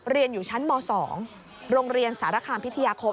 เรียนอยู่ชั้นม๒โรงเรียนสารคามพิทยาคม